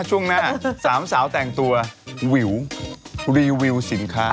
ช่วงหน้าสามสาวแต่งตัววิวรีวิวสินค้า